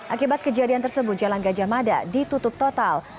akibat kejadian tersebut jalan gajah mada ditutup total